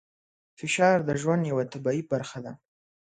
فشار د ژوند یوه طبیعي برخه ده.